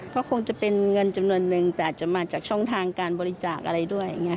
ก็คงจะเป็นเงินจำนวนนึงแต่อาจจะมาจากช่องทางการบริจาคอะไรด้วยอย่างนี้